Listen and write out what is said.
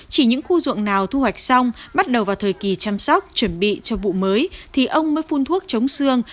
chỉ những khu ruộng nào thu hoạch xong bắt đầu vào thời kỳ chăm sóc chuẩn bị cho vụ mới thì ông mới phun thuốc chống xương